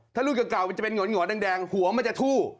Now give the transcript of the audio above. ถ้ารุ่นเก่ามันจะเป็นหอนแดงหัวมันจะทู่